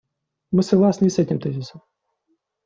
Мы согласны и с этим тезисом.